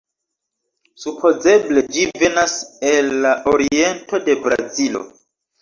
Supozeble ĝi venas el la oriento de Brazilo.